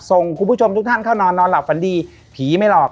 คุณผู้ชมทุกท่านเข้านอนนอนหลับฝันดีผีไม่หลอก